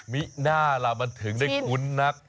มิน่าล่ะมันถึงได้คุ้นนัก